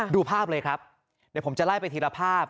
ดูภาพเลยครับเดี๋ยวผมจะไล่ไปทีละภาพ